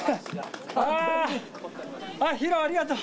ヒロ、ありがとう。